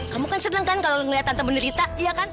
kamu kan seneng kan kalau ngeliat tante menderita iya kan